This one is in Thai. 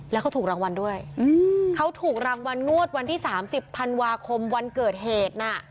แล้วเขาถูกรางวัลด้วยเขาถูกรางวัลงวดวันที่๓๐ธันวาคมวันเกิดเหตุน่ะ